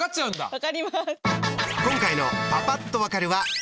分かります。